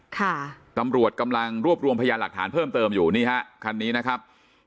ค่ะตำรวจกำลังรวบรวมพยานหลักฐานเพิ่มเติมอยู่นี่ฮะคันนี้นะครับ